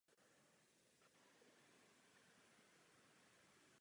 Musím to přesto říci.